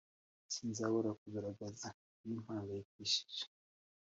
Sinzabura kugaragaza ibimpangayikishije,